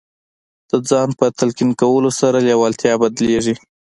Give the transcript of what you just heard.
د ځان په تلقین کولو سره لېوالتیا بدلېږي